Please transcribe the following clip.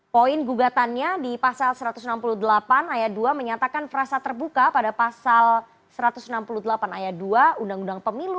poin gugatannya di pasal satu ratus enam puluh delapan ayat dua menyatakan frasa terbuka pada pasal satu ratus enam puluh delapan ayat dua undang undang pemilu